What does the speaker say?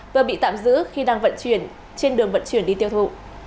và bị tạm giữ khi đang vận chuyển trên đường vận chuyển đi tiêu thụ